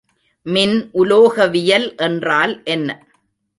மின் உலோகவியல் என்றால் என்ன?